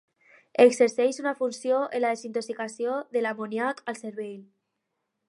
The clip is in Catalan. Exerceix una funció en la desintoxicació de l'amoníac al cervell.